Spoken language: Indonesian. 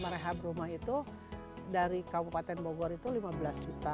merehab rumah itu dari kabupaten bogor itu lima belas juta